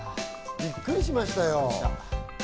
びっくりしましたよ。